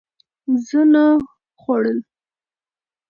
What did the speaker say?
څه نه خوړل